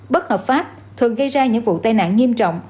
bất hợp pháp thường gây ra những vụ tai nạn nghiêm trọng